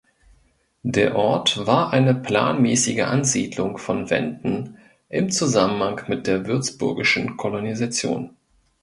Der Ort war eine planmäßige Ansiedlung von Wenden im Zusammenhang mit der würzburgischen Kolonisation.